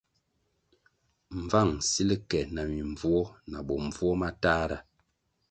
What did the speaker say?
Mbvang sil ke na mimbvuo na bombvuo matahra.